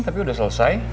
tapi udah selesai